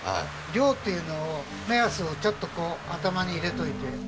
量っていうのを目安をちょっとこう頭に入れておいて。